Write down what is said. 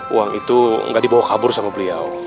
uang itu nggak dibawa kabur sama beliau